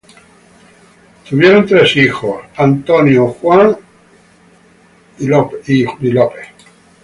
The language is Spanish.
Tuvieron tres hijos Michel, Georges y Olivier.